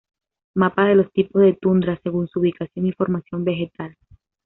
Mapa de los tipos de tundra según su ubicación y formación vegetal